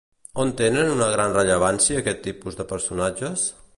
On tenen una gran rellevància aquests tipus de personatges?